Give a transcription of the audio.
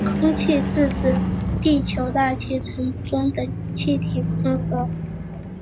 空气是指地球大气层中的气体混合。